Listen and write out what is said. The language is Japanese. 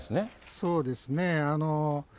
そうですね。